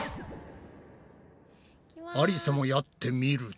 ありさもやってみると。